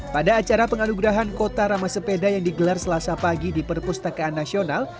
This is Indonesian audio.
pada acara penganugerahan kota ramah sepeda yang digelar selasa pagi di perpustakaan nasional